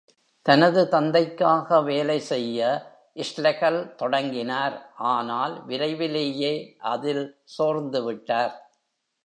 தனது தந்தைக்காக வேலை செய்ய ஷ்லெகல் தொடங்கினார், ஆனால் விரைவிலேயே அதில் சோர்ந்துவிட்டார்.